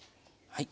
はい。